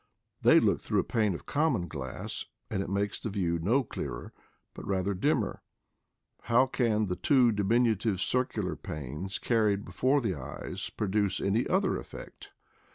They look through a pane of common glass, and it makes the view no clearer, but rather dimmer — how can the two diminutive circular panes carried before the eyes SIGHT IN SAVAGES 161 produce any. other effect?